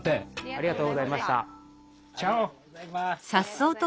ありがとうございます。